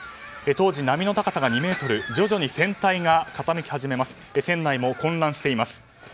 当時、波の高さが２ｍ徐々に船体が傾き始め船内も混乱しています。